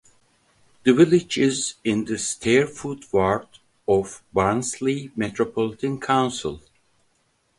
The village is in the Stairfoot ward of Barnsley Metropolitan Council.